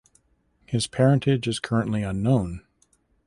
His parentage is currently unknown.